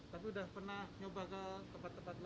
tapi sudah pernah nyoba ke tempat lain